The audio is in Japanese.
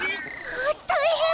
あったいへん！